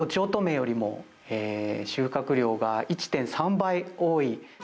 とちおとめよりも、収穫量が１．３倍多い。